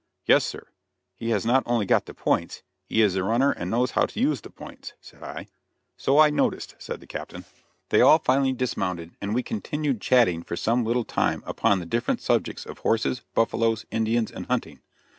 "Yes, sir; he has not only got the points, he is a runner and knows how to use the points," said I. "So I noticed," said the captain. They all finally dismounted, and we continued chatting for some little time upon the different subjects of horses, buffaloes, Indians and hunting.